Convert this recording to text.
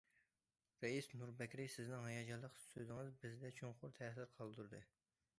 رەئىس نۇر بەكرى، سىزنىڭ ھاياجانلىق سۆزىڭىز بىزدە چوڭقۇر تەسىر قالدۇردى.